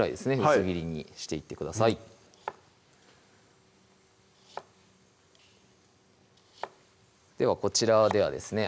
薄切りにしていってくださいではこちらではですね